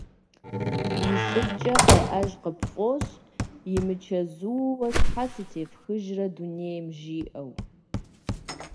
И щӏыбкӏэ къеӏэж къыпфӏощӏ «имычэзууэ щхьэ сытефхыжрэ дунейм?» жиӏэу.